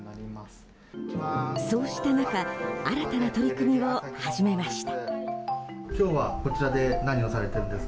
そうした中新たな取り組みを始めました。